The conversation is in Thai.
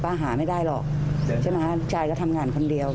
หาไม่ได้หรอกใช่ไหมฮะยายก็ทำงานคนเดียว